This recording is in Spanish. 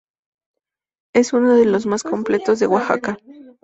Es uno de los más completos de Oaxaca.